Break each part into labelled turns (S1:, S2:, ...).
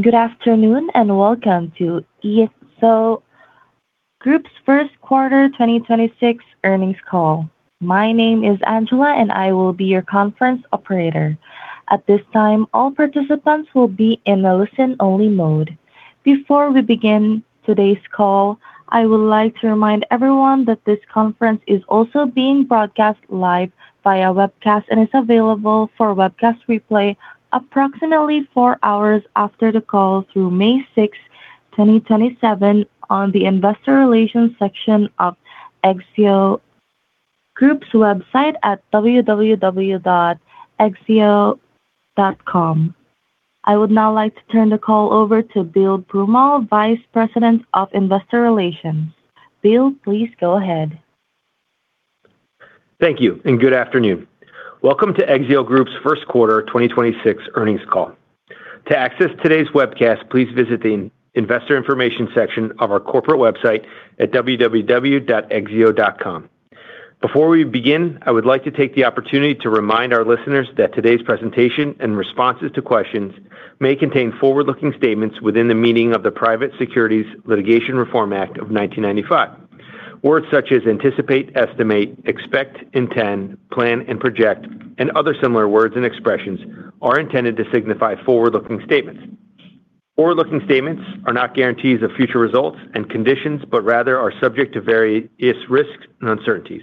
S1: Good afternoon, welcome to Exzeo Group's first quarter 2026 earnings call. My name is Angela, and I will be your conference operator. At this time, all participants will be in a listen-only mode. Before we begin today's call, I would like to remind everyone that this conference is also being broadcast live via webcast and is available for webcast replay approximately four hours after the call through May 6th, 2027 on the investor relations section of Exzeo Group's website at www.exzeo.com. I would now like to turn the call over to Bill Broomall, Vice President of Investor Relations. Bill, please go ahead.
S2: Thank you, and good afternoon. Welcome to Exzeo Group's first quarter 2026 earnings call. To access today's webcast, please visit the investor information section of our corporate website at www.exzeo.com. Before we begin, I would like to take the opportunity to remind our listeners that today's presentation and responses to questions may contain forward-looking statements within the meaning of the Private Securities Litigation Reform Act of 1995. Words such as anticipate, estimate, expect, intend, plan, and project and other similar words and expressions are intended to signify forward-looking statements. Forward-looking statements are not guarantees of future results and conditions, but rather are subject to various risks and uncertainties.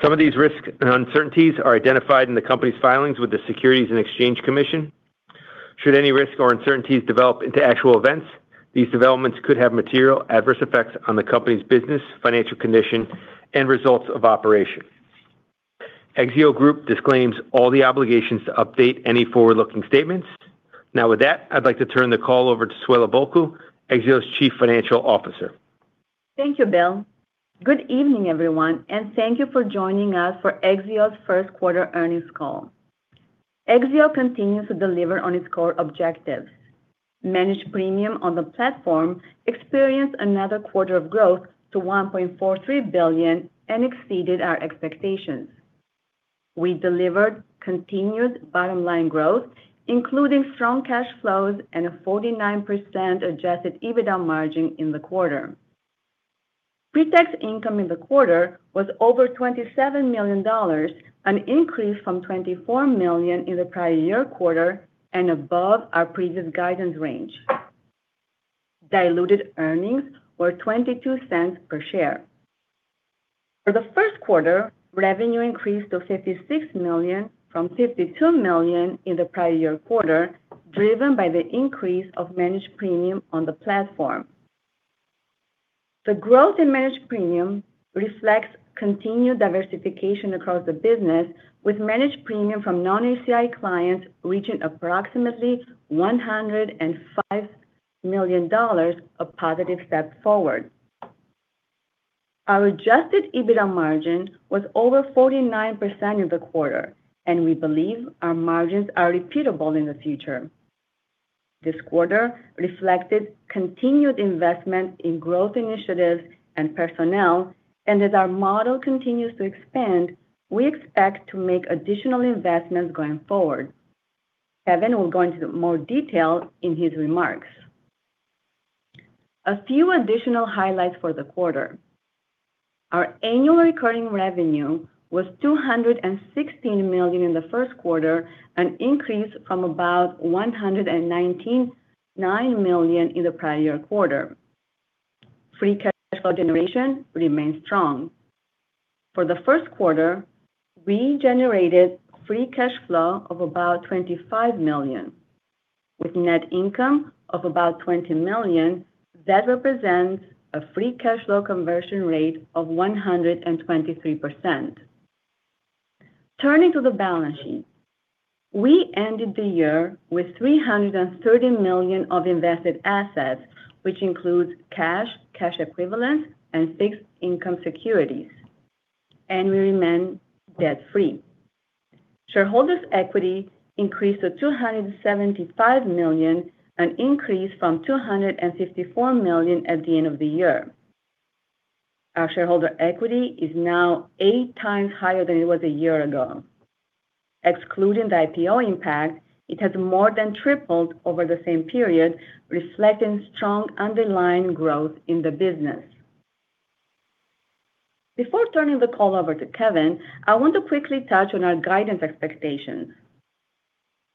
S2: Some of these risks and uncertainties are identified in the company's filings with the Securities and Exchange Commission. Should any risks or uncertainties develop into actual events, these developments could have material adverse effects on the company's business, financial condition, and results of operation. Exzeo Group disclaims all the obligations to update any forward-looking statements. With that, I'd like to turn the call over to Suela Bulku, Exzeo's Chief Financial Officer.
S3: Thank you, Bill. Good evening, everyone, and thank you for joining us for Exzeo's first quarter earnings call. Exzeo continues to deliver on its core objectives. Managed premium on the platform experienced another quarter of growth to $1.43 billion and exceeded our expectations. We delivered continued bottom line growth, including strong cash flows and a 49% adjusted EBITDA margin in the quarter. Pre-tax income in the quarter was over $27 million, an increase from $24 million in the prior year quarter and above our previous guidance range. Diluted earnings were $0.22 per share. For the first quarter, revenue increased to $56 million from $52 million in the prior year quarter, driven by the increase of managed premium on the platform. The growth in managed premium reflects continued diversification across the business with managed premium from non-HCI clients reaching approximately $105 million, a positive step forward. Our adjusted EBITDA margin was over 49% in the quarter, we believe our margins are repeatable in the future. This quarter reflected continued investment in growth initiatives and personnel. As our model continues to expand, we expect to make additional investments going forward. Kevin will go into more detail in his remarks. A few additional highlights for the quarter. Our annual recurring revenue was $216 million in the first quarter, an increase from about $199 million in the prior year quarter. Free cash flow generation remains strong. For the first quarter, we generated free cash flow of about $25 million with net income of about $20 million. That represents a free cash flow conversion rate of 123%. Turning to the balance sheet. We ended the year with $330 million of invested assets, which includes cash equivalents, and fixed income securities, and we remain debt-free. Shareholders' equity increased to $275 million, an increase from $254 million at the end of the year. Our shareholder equity is now eight times higher than it was a year ago. Excluding the IPO impact, it has more than tripled over the same period, reflecting strong underlying growth in the business. Before turning the call over to Kevin, I want to quickly touch on our guidance expectations.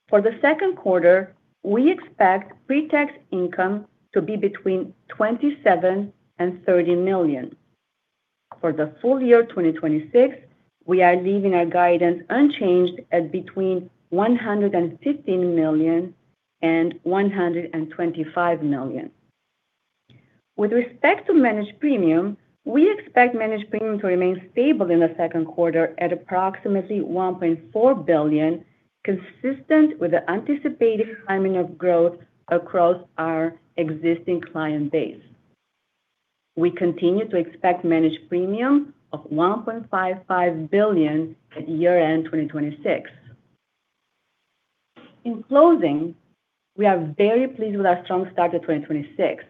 S3: For the second quarter, we expect pre-tax income to be between $27 million and $30 million. For the full year 2026, we are leaving our guidance unchanged at between $115 million and $125 million. With respect to managed premium, we expect managed premium to remain stable in the second quarter at approximately $1.4 billion, consistent with the anticipated timing of growth across our existing client base. We continue to expect managed premium of $1.55 billion at year-end 2026. In closing, we are very pleased with our strong start to 2026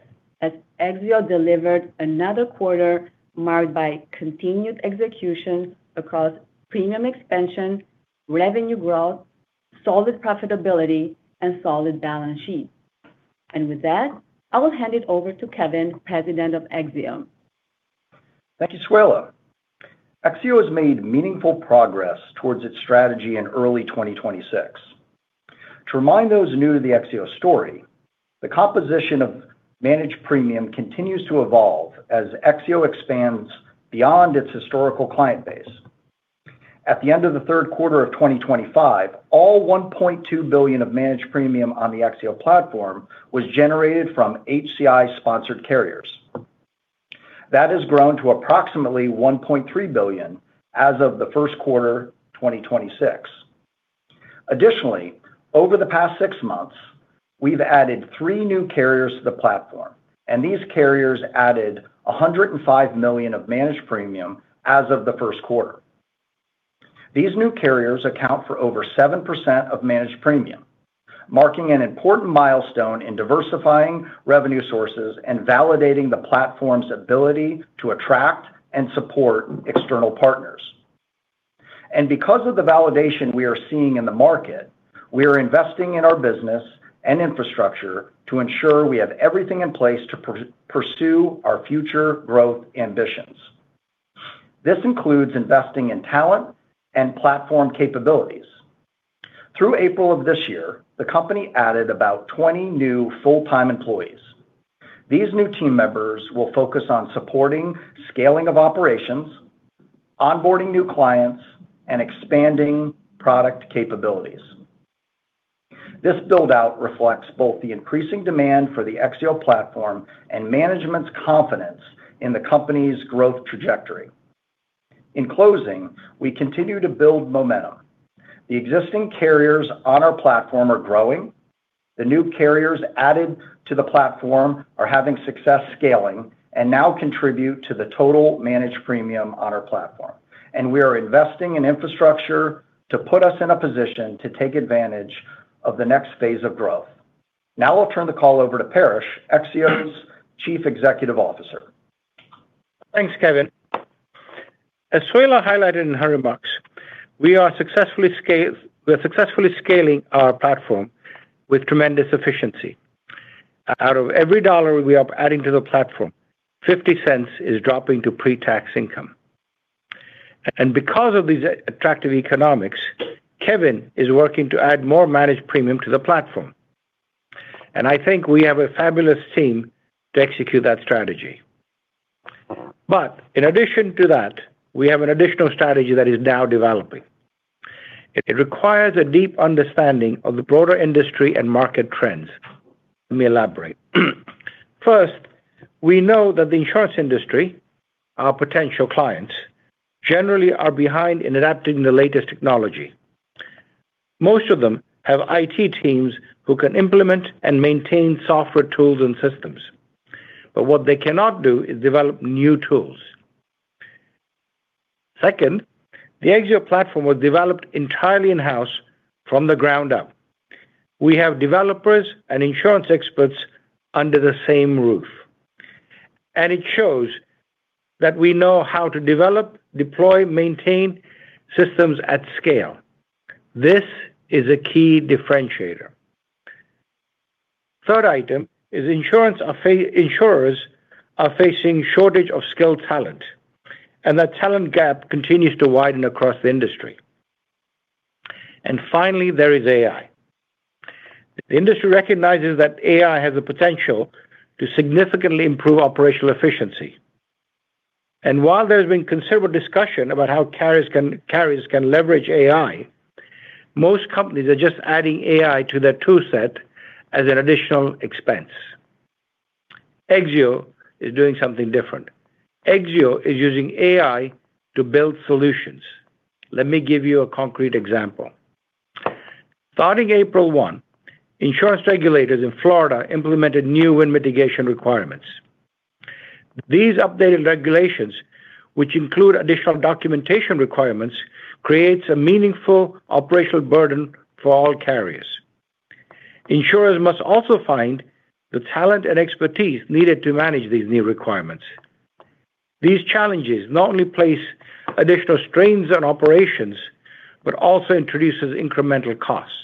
S3: as Exzeo delivered another quarter marked by continued execution across premium expansion Revenue growth, solid profitability, and solid balance sheet. With that, I will hand it over to Kevin, President of Exzeo.
S4: Thank you, Suela. Exzeo has made meaningful progress towards its strategy in early 2026. To remind those new to the Exzeo story, the composition of managed premium continues to evolve as Exzeo expands beyond its historical client base. At the end of the third quarter of 2025, all $1.2 billion of managed premium on the Exzeo platform was generated from HCI-sponsored carriers. That has grown to approximately $1.3 billion as of the first quarter 2026. Additionally, over the past six months, we've added three new carriers to the platform, and these carriers added $105 million of managed premium as of the first quarter. These new carriers account for over 7% of managed premium, marking an important milestone in diversifying revenue sources and validating the platform's ability to attract and support external partners. Because of the validation we are seeing in the market, we are investing in our business and infrastructure to ensure we have everything in place to pursue our future growth ambitions. This includes investing in talent and platform capabilities. Through April of this year, the company added about 20 new full-time employees. These new team members will focus on supporting scaling of operations, onboarding new clients, and expanding product capabilities. This build-out reflects both the increasing demand for the Exzeo platform and management's confidence in the company's growth trajectory. In closing, we continue to build momentum. The existing carriers on our platform are growing. The new carriers added to the platform are having success scaling and now contribute to the total managed premium on our platform. We are investing in infrastructure to put us in a position to take advantage of the next phase of growth. Now I'll turn the call over to Paresh, Exzeo's Chief Executive Officer.
S5: Thanks, Kevin. As Suela highlighted in her remarks, we are successfully scaling our platform with tremendous efficiency. Out of every $1 we are adding to the platform, $0.50 is dropping to pre-tax income. Because of these attractive economics, Kevin is working to add more managed premium to the platform, and I think we have a fabulous team to execute that strategy. In addition to that, we have an additional strategy that is now developing. It requires a deep understanding of the broader industry and market trends. Let me elaborate. First, we know that the insurance industry, our potential clients, generally are behind in adapting the latest technology. Most of them have IT teams who can implement and maintain software tools and systems, but what they cannot do is develop new tools. Second, the Exzeo platform was developed entirely in-house from the ground up. We have developers and insurance experts under the same roof, and it shows that we know how to develop, deploy, maintain systems at scale. This is a key differentiator. Third item is insurers are facing shortage of skilled talent, that talent gap continues to widen across the industry. Finally, there is AI. The industry recognizes that AI has the potential to significantly improve operational efficiency. While there has been considerable discussion about how carriers can leverage AI, most companies are just adding AI to their tool set as an additional expense. Exzeo is doing something different. Exzeo is using AI to build solutions. Let me give you a concrete example. Starting April 1, insurance regulators in Florida implemented new wind mitigation requirements. These updated regulations, which include additional documentation requirements, creates a meaningful operational burden for all carriers. Insurers must also find the talent and expertise needed to manage these new requirements. These challenges not only place additional strains on operations, but also introduces incremental costs.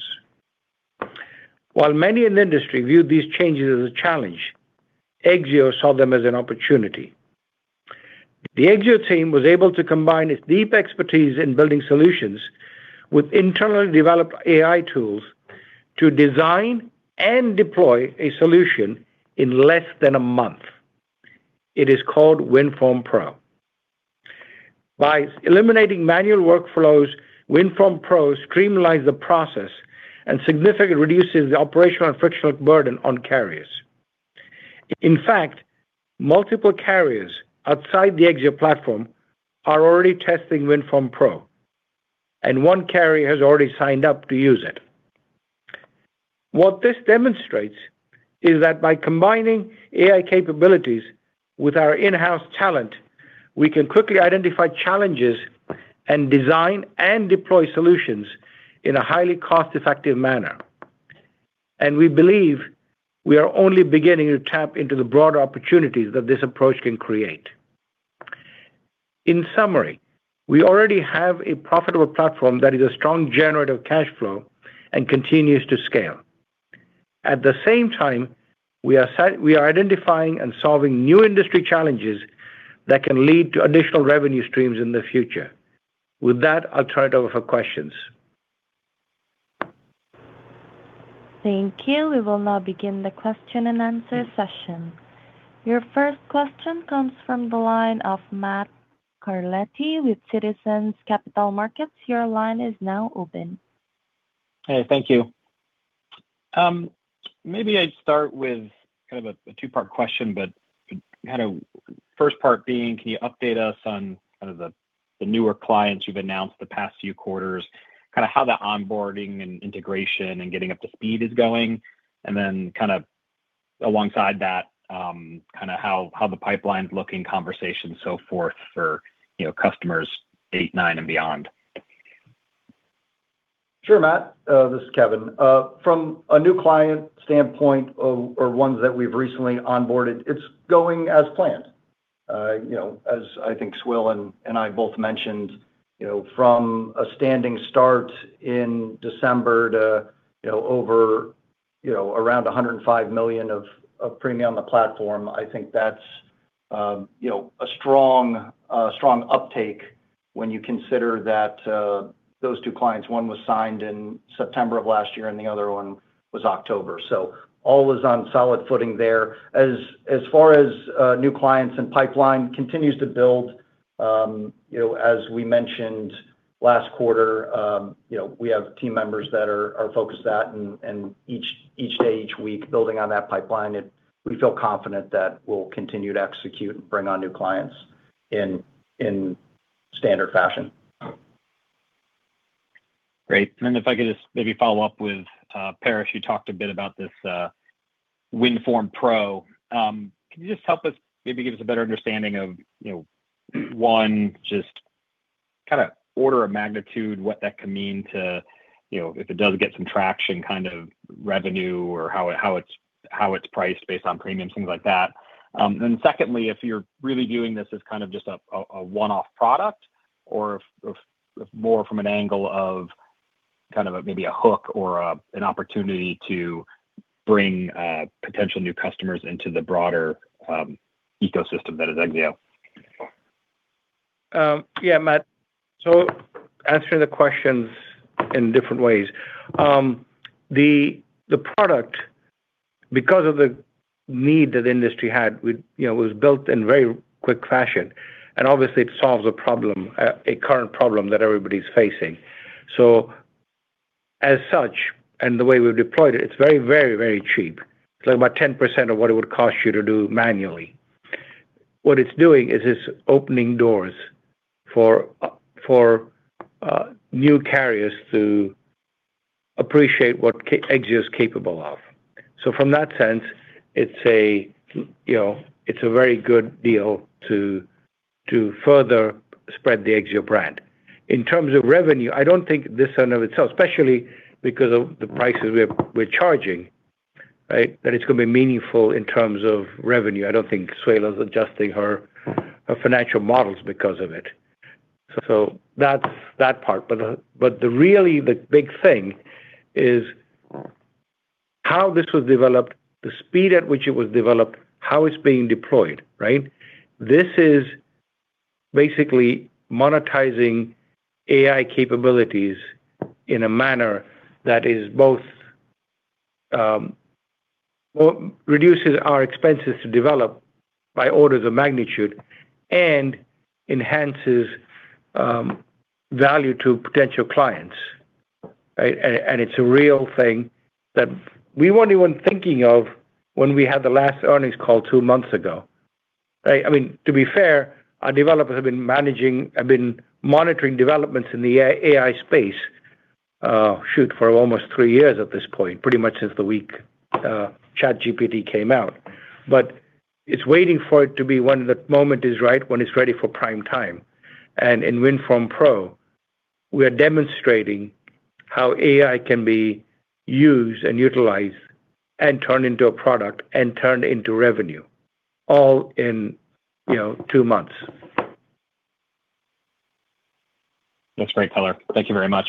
S5: While many in the industry viewed these changes as a challenge, Exzeo saw them as an opportunity. The Exzeo team was able to combine its deep expertise in building solutions with internally developed AI tools to design and deploy a solution in less than a month. It is called WindForm Pro. By eliminating manual workflows, WindForm Pro streamlines the process and significantly reduces the operational and frictional burden on carriers. In fact, multiple carriers outside the Exzeo platform are already testing WindForm Pro, and one carrier has already signed up to use it. What this demonstrates is that by combining AI capabilities with our in-house talent, we can quickly identify challenges and design and deploy solutions in a highly cost-effective manner. We believe we are only beginning to tap into the broader opportunities that this approach can create. In summary, we already have a profitable platform that is a strong generative cash flow and continues to scale. At the same time, we are identifying and solving new industry challenges that can lead to additional revenue streams in the future. With that, I'll turn it over for questions.
S1: Thank you. We will now begin the question and answer session. Your first question comes from the line of Matt Carletti with Citizens Capital Markets. Your line is now open.
S6: Hey, thank you. Maybe I'd start with kind of a two-part question, but kind of first part being, can you update us on kind of the newer clients you've announced the past few quarters, kind of how the onboarding and integration and getting up to speed is going? Then kind of alongside that, kind of how the pipeline's looking, conversations so forth for, you know, customers eight, nine and beyond?
S4: Sure, Matt. This is Kevin. From a new client standpoint or ones that we've recently onboarded, it's going as planned. You know, as I think Suela and I both mentioned, you know, from a standing start in December to over around $105 million of premium on the platform, I think that's, you know, a strong uptake when you consider that those two clients, one was signed in September of last year and the other one was October. All is on solid footing there. As far as new clients and pipeline continues to build, you know, as we mentioned last quarter, you know, we have team members that are focused at and each day, each week building on that pipeline. We feel confident that we'll continue to execute and bring on new clients in standard fashion.
S6: Great. Then if I could just maybe follow up with Paresh. You talked a bit about this WindForm Pro. Can you just help us maybe give us a better understanding of, you know, one, just kind of order of magnitude, what that could mean to, you know, if it does get some traction kind of revenue or how it's priced based on premiums, things like that. Secondly, if you're really viewing this as kind of just a one-off product or if more from an angle of kind of a, maybe a hook or an opportunity to bring potential new customers into the broader ecosystem that is Exzeo?
S5: Yeah, Matt. Answering the questions in different ways. The product, because of the need that industry had with you know, was built in very quick fashion, and obviously it solves a problem, a current problem that everybody's facing. As such, and the way we've deployed it's very cheap. It's like about 10% of what it would cost you to do manually. What it's doing is it's opening doors for new carriers to appreciate what Exzeo is capable of. From that sense, it's a, you know, it's a very good deal to further spread the Exzeo brand. In terms of revenue, I don't think this in of itself, especially because of the prices we're charging, right? That it's gonna be meaningful in terms of revenue. I don't think Suela's adjusting her financial models because of it. That's that part. The really, the big thing is how this was developed, the speed at which it was developed, how it's being deployed, right? This is basically monetizing AI capabilities in a manner that is both, well, reduces our expenses to develop by orders of magnitude and enhances value to potential clients, right? It's a real thing that we weren't even thinking of when we had the last earnings call two months ago, right? I mean, to be fair, our developers have been monitoring developments in the AI space, shoot, for almost three years at this point. Pretty much since the week ChatGPT came out. It's waiting for it to be when the moment is right, when it's ready for prime time. In WindForm Pro, we are demonstrating how AI can be used and utilized and turned into a product and turned into revenue all in, you know, two months.
S6: That's great color. Thank you very much.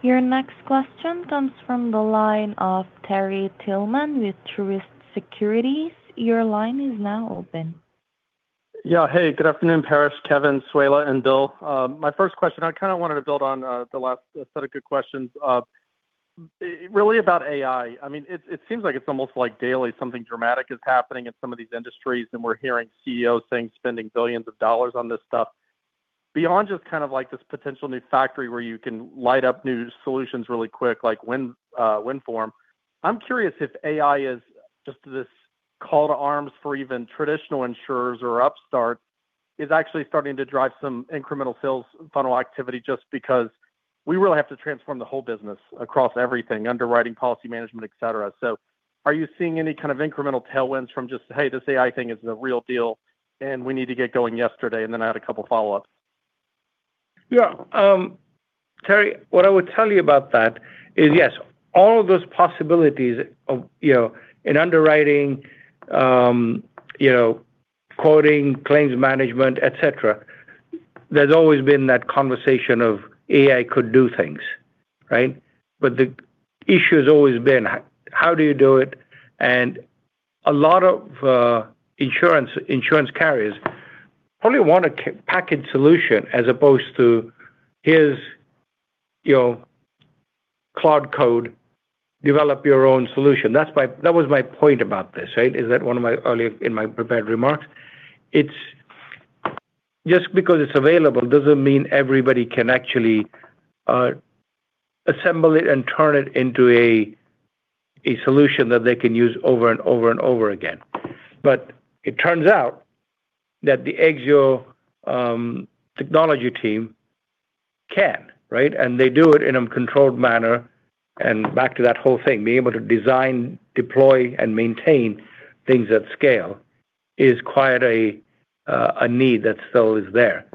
S1: Your next question comes from the line of Terry Tillman with Truist Securities. Your line is now open.
S7: Yeah. Hey, good afternoon, Paresh, Kevin, Suela and Bill. My first question, I kind of wanted to build on the last set of good questions. really about AI. I mean, it seems like it's almost like daily something dramatic is happening in some of these industries, and we're hearing CEOs saying spending billions of dollars on this stuff. Beyond just kind of like this potential new factory where you can light up new solutions really quick, like Wind, WindForm, I'm curious if AI is just this call to arms for even traditional insurers or upstart is actually starting to drive some incremental sales funnel activity just because we really have to transform the whole business across everything, underwriting policy management, et cetera. Are you seeing any kind of incremental tailwinds from just, hey, this AI thing is the real deal? We need to get going yesterday, and then I had a couple follow-ups.
S5: Yeah. Terry, what I would tell you about that is, yes, all of those possibilities of in underwriting, quoting, claims management, et cetera, there's always been that conversation of AI could do things, right? The issue has always been how do you do it? A lot of insurance carriers probably want a package solution as opposed to here's your cloud code, develop your own solution. That was my point about this, right? One of my in my prepared remarks. It's just because it's available doesn't mean everybody can actually assemble it and turn it into a solution that they can use over and over again. It turns out that the Exzeo technology team can, right? They do it in a controlled manner. Back to that whole thing, being able to design, deploy, and maintain things at scale is quite a need that still is there.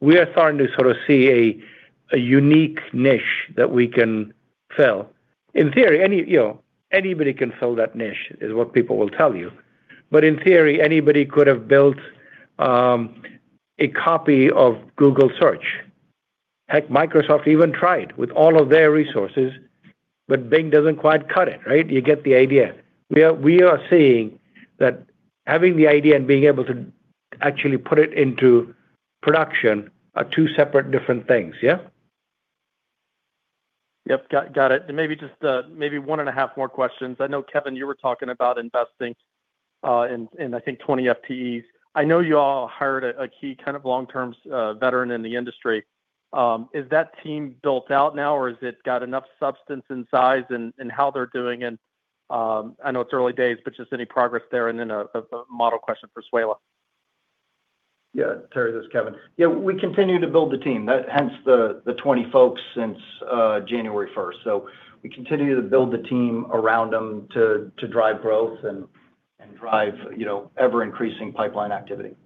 S5: We are starting to sort of see a unique niche that we can fill. In theory, anybody can fill that niche, is what people will tell you. In theory, anybody could have built a copy of Google Search. Heck, Microsoft even tried with all of their resources, but Bing doesn't quite cut it, right? You get the idea. We are seeing that having the idea and being able to actually put it into production are two separate different things. Yeah?
S7: Yep. Got it. Maybe just, maybe one and a half more questions. I know, Kevin, you were talking about investing in I think 20 FTEs. I know you all hired a key kind of long-term veteran in the industry. Is that team built out now, or is it got enough substance and size and how they're doing? I know it's early days, but just any progress there and then a model question for Suela.
S4: Yeah. Terry, this is Kevin. Yeah. We continue to build the team. Hence the 20 folks since January 1st. We continue to build the team around them to drive growth and drive, you know, ever-increasing pipeline activity.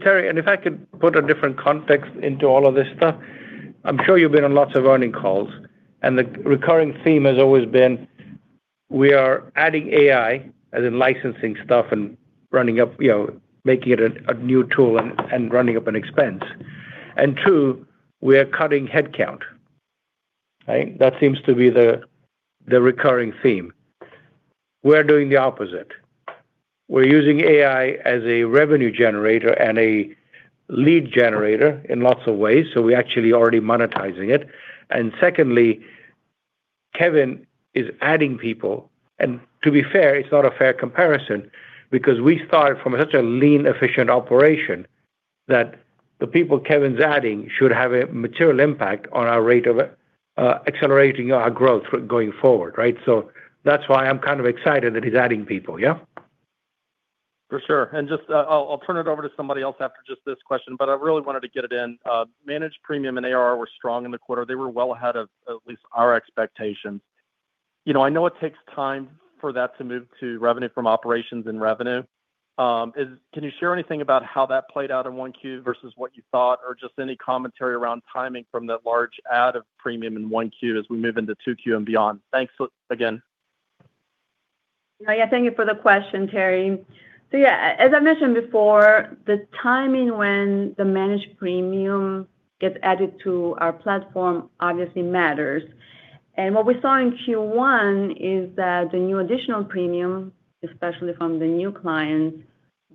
S5: Terry, if I could put a different context into all of this stuff. I'm sure you've been on lots of earnings calls, and the recurring theme has always been we are adding AI, as in licensing stuff and running up, you know, making it a new tool and running up an expense. Two, we are cutting headcount, right? That seems to be the recurring theme. We're doing the opposite. We're using AI as a revenue generator and a lead generator in lots of ways, we're actually already monetizing it. Secondly, Kevin is adding people. To be fair, it's not a fair comparison because we started from such a lean, efficient operation that the people Kevin's adding should have a material impact on our rate of accelerating our growth going forward, right? That's why I'm kind of excited that he's adding people. Yeah?
S7: For sure. I'll turn it over to somebody else after just this question, but I really wanted to get it in. Managed premium and ARR were strong in the quarter. They were well ahead of at least our expectations. You know, I know it takes time for that to move to revenue from operations and revenue. Can you share anything about how that played out in 1Q versus what you thought or just any commentary around timing from that large add of premium in 1Q as we move into 2Q and beyond? Thanks again.
S3: Yeah, thank you for the question, Terry. As I mentioned before, the timing when the managed premium gets added to our platform obviously matters. What we saw in Q1 is that the new additional premium, especially from the new clients,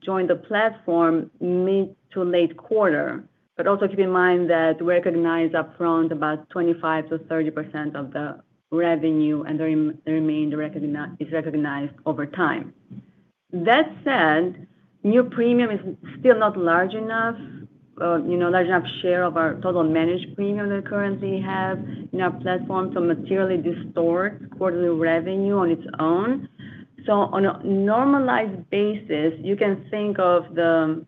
S3: joined the platform mid to late quarter. Also keep in mind that we recognize upfront about 25%-30% of the revenue and is recognized over time. That said, new premium is still not large enough, you know, large enough share of our total managed premium that currently have in our platform to materially distort quarterly revenue on its own. On a normalized basis, you can think of the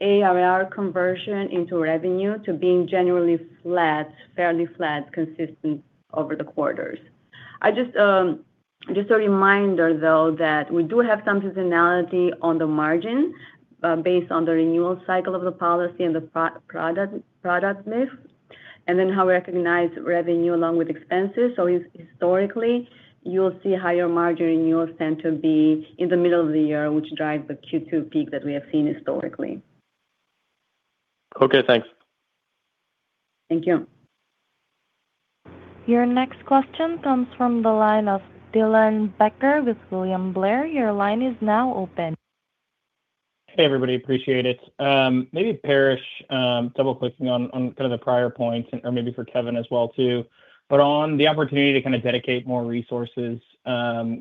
S3: ARR conversion into revenue to being generally flat, fairly flat, consistent over the quarters. Just a reminder though that we do have some seasonality on the margin, based on the renewal cycle of the policy and the product mix, and then how we recognize revenue along with expenses. Historically, you'll see higher margin in your [center B] in the middle of the year, which drive the Q2 peak that we have seen historically.
S7: Okay, thanks.
S3: Thank you.
S1: Your next question comes from the line of Dylan Becker with William Blair. Your line is now open.
S8: Hey, everybody. Appreciate it. Maybe Paresh, double-clicking on kind of the prior points and, or maybe for Kevin as well too, but on the opportunity to kind of dedicate more resources,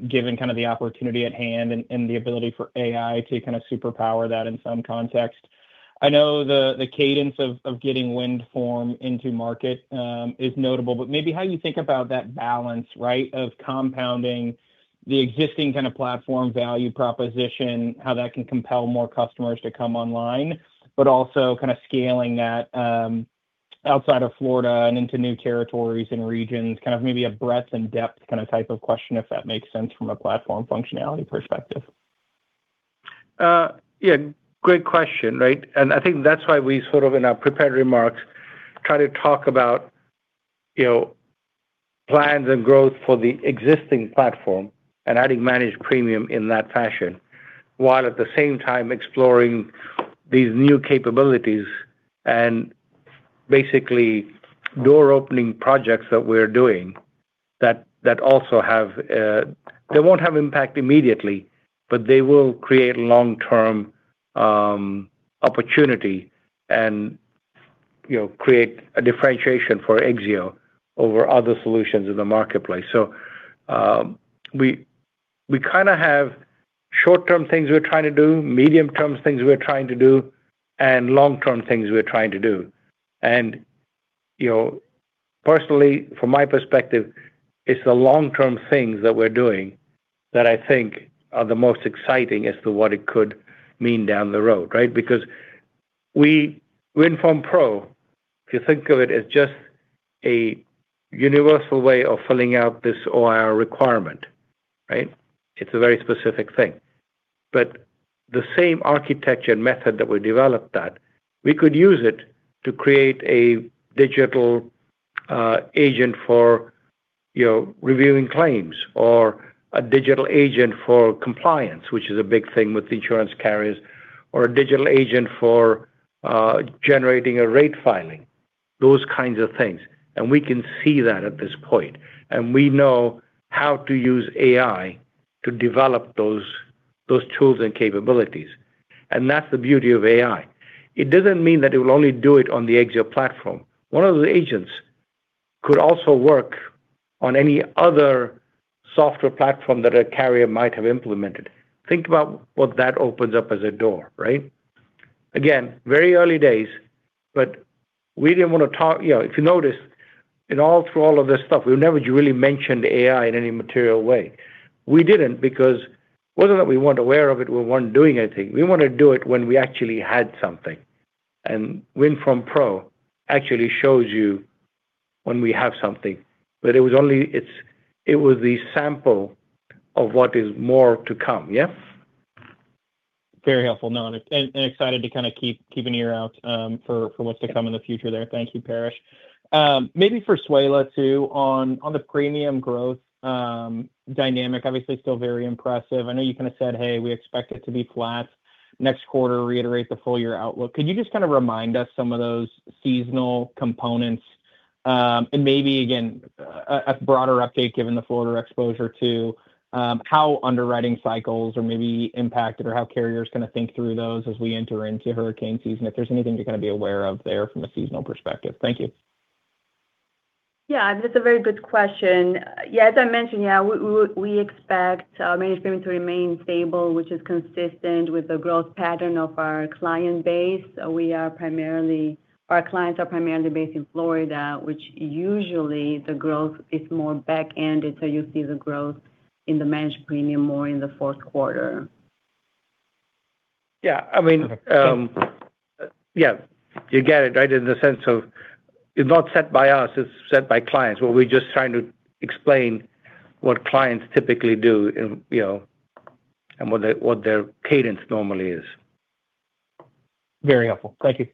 S8: given kind of the opportunity at hand and the ability for AI to kind of superpower that in some context. I know the cadence of getting WindForm Pro into market, is notable, but maybe how you think about that balance, right? Of compounding the existing kind of platform value proposition, how that can compel more customers to come online, but also kind of scaling that outside of Florida and into new territories and regions, kind of maybe a breadth and depth kind of type of question, if that makes sense from a platform functionality perspective.
S5: Yeah, great question, right? I think that's why we sort of in our prepared remarks try to talk about, you know, plans and growth for the existing platform and adding managed premium in that fashion, while at the same time exploring these new capabilities and basically door-opening projects that we're doing that also have, They won't have impact immediately, but they will create long-term opportunity and, you know, create a differentiation for Exzeo over other solutions in the marketplace. We kind of have short-term things we're trying to do, medium-term things we're trying to do, and long-term things we're trying to do. You know, personally, from my perspective, it's the long-term things that we're doing that I think are the most exciting as to what it could mean down the road, right? Because we, WindForm Pro, if you think of it as just a universal way of filling out this OIR requirement, right? The same architecture and method that we developed that, we could use it to create a digital agent for, you know, reviewing claims or a digital agent for compliance, which is a big thing with insurance carriers, or a digital agent for generating a rate filing, those kinds of things. We can see that at this point, and we know how to use AI to develop those tools and capabilities. That's the beauty of AI. It doesn't mean that it will only do it on the Exzeo platform. One of the agents could also work on any other software platform that a carrier might have implemented. Think about what that opens up as a door, right? Again, very early days, but we didn't want to talk You know, if you notice, in all, through all of this stuff, we've never really mentioned AI in any material way. We didn't because it wasn't that we weren't aware of it or weren't doing anything. We wanted to do it when we actually had something. WindForm Pro actually shows you when we have something. It was only, it's, it was the sample of what is more to come, yeah?
S8: Very helpful. Excited to kind of keep an ear out for what's to come in the future there. Thank you, Paresh. Maybe for Suela too, on the premium growth dynamic, obviously still very impressive. I know you kind of said, hey, we expect it to be flat next quarter, reiterate the full year outlook. Could you just kind of remind us some of those seasonal components, and maybe again, a broader update given the Florida exposure to how underwriting cycles are maybe impacted or how carriers kind of think through those as we enter into hurricane season, if there's anything to kind of be aware of there from a seasonal perspective. Thank you.
S3: Yeah, that's a very good question. Yeah, as I mentioned, we expect our managed premium to remain stable, which is consistent with the growth pattern of our client base. Our clients are primarily based in Florida, which usually the growth is more back-ended, so you see the growth in the managed premium more in the fourth quarter.
S5: Yeah, I mean, yeah, you get it, right? In the sense of it's not set by us, it's set by clients. We're just trying to explain what clients typically do and, you know, what their cadence normally is.
S8: Very helpful. Thank you.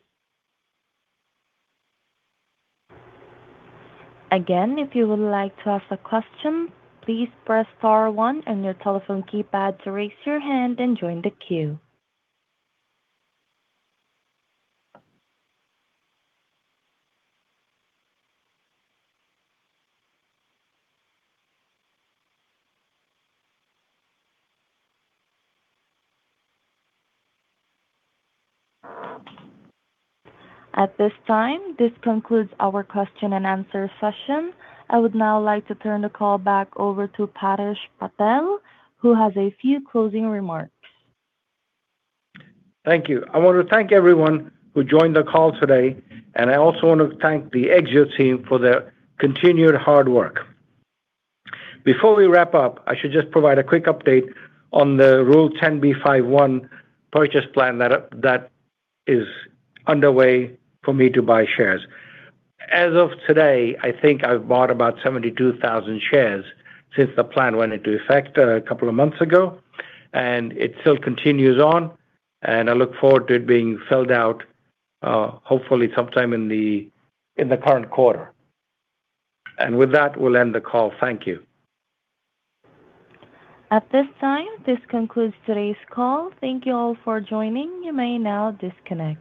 S1: At this time, this concludes our question-and-answer session. I would now like to turn the call back over to Paresh Patel, who has a few closing remarks.
S5: Thank you. I want to thank everyone who joined the call today. I also want to thank the Exzeo team for their continued hard work. Before we wrap up, I should just provide a quick update on the Rule 10b5-1 purchase plan that is underway for me to buy shares. As of today, I think I've bought about 72,000 shares since the plan went into effect a couple of months ago, and it still continues on, and I look forward to it being filled out hopefully sometime in the current quarter. With that, we'll end the call. Thank you.
S1: At this time, this concludes today's call. Thank you all for joining. You may now disconnect.